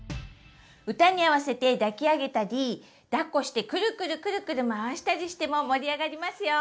歌に合わせて抱き上げたりだっこしてくるくるくるくる回したりしても盛り上がりますよ！